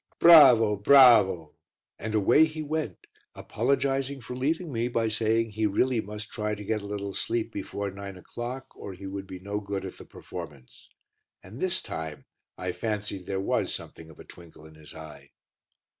"Bravo, bravo!" And away he went, apologizing for leaving me by saying he really must try to get a little sleep before nine o'clock or he would be no good at the performance. And this time I fancied there was something of a twinkle in his eye.